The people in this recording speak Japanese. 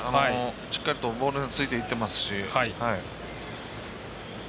しっかりとボールについていってますし。